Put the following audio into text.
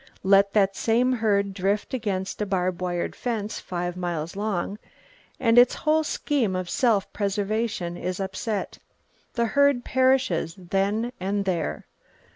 Let that same herd drift against a barbed wire fence five miles long, and its whole scheme of self preservation is upset. The herd perishes then and there.